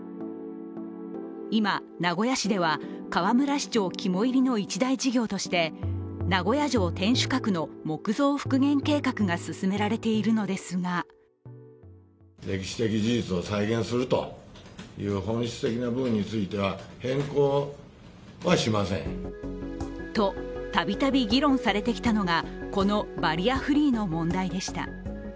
今、名古屋市では河村市長肝煎りの一大事業として名古屋城天守閣の木造復元計画が進められているのですがと、度々議論されてきたのがこのバリアフリーの問題でした。